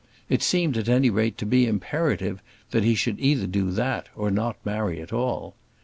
It seemed, at any rate, to be imperative that he should either do that or not marry at all.